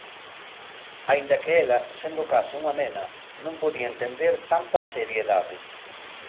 Aínda que ela, sendo case unha nena, non podía entender tanta seriedade.